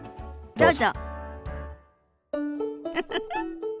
どうぞ。